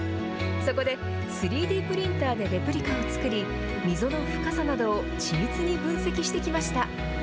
そこで３Ｄプリンターでレプリカをつくり溝の深さなどを緻密に分析してきました。